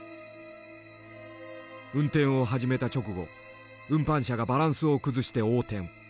運転を始めた直後運搬車がバランスを崩して横転。